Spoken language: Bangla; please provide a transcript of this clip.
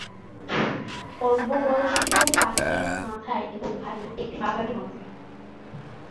অল্প বয়স্ক পাখির মাথায় এবং ঘাড়ে একটি বাদামী রঙ থাকে।